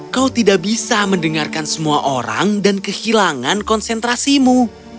kau tidak bisa mendengarkan semua orang dan kehilangan konsentrasimu